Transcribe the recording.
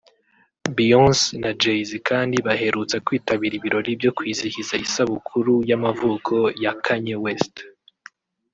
Beyonce na Jay-Z kandi baherutse kwitabira ibirori byo kwizihiza isabukuru y’amavuko ya Kanye West